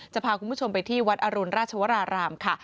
จะพาคุณผู้ชมไปที่วัดอรุณราชวรารามค่ะ